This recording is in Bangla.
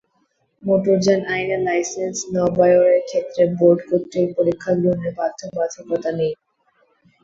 মোটরযান আইনে লাইসেন্স নবায়নের ক্ষেত্রে বোর্ড কর্তৃক পরীক্ষা গ্রহণের বাধ্যবাধকতা নেই।